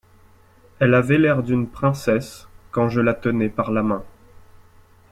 Elle avait l’air d’une princesse Quand je la tenais par la main.